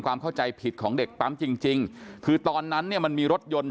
ความเข้าใจผิดของเด็กปั๊มจริงจริงคือตอนนั้นเนี่ยมันมีรถยนต์